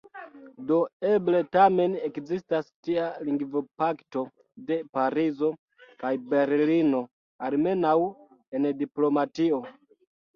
Do eble tamen ekzistas tia lingvopakto de Parizo kaj Berlino – almenaŭ en diplomatio.